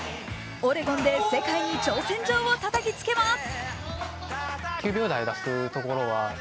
オレゴンで世界に挑戦状をたたきつけます。